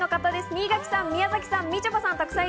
新垣さん、宮崎さん、みちょぱさん。